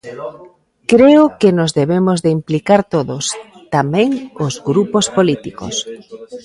Creo que nos debemos de implicar todos, tamén os grupos políticos.